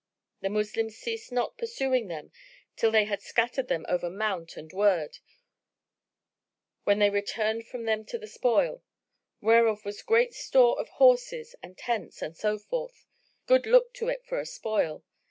The Moslems ceased not pursuing them till they had scattered them over mount and wold, when they returned from them to the spoil; whereof was great store of horses and tents and so forth:—good look to it for a spoil!